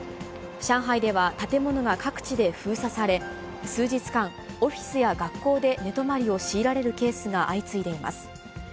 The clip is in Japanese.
上海では、建物が各地で封鎖され、数日間、オフィスや学校で寝泊まりを強いられるケースが相次いでいます。